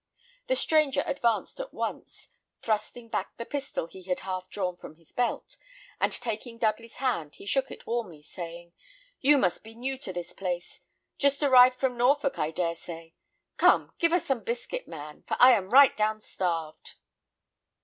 The stranger advanced at once, thrusting back the pistol he had half drawn from his belt, and taking Dudley's hand, he shook it warmly, saying, "You must be new to this place. Just arrived from Norfolk, I dare say. Come, give us some biscuit, man, for I am right down starved."